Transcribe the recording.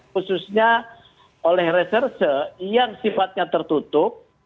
khususnya oleh reserse yang sifatnya tertutup